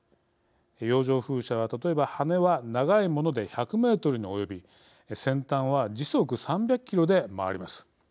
洋上風車は、例えば羽根は長いもので１００ｍに及び先端は時速３００キロで回ります。